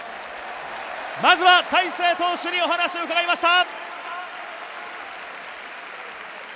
まずは大勢投手にお話を伺いました。